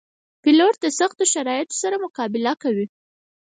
پیلوټ د سختو شرایطو سره مقابله کوي.